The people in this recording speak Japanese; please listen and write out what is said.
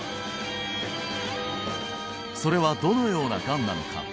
それはどのようながんなのか？